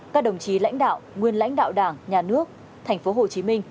các đồng chí lãnh đạo nguyên lãnh đạo đảng nhà nước tp hcm